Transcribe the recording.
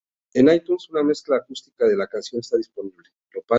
En iTunes, una mezcla acústica de la canción está disponible.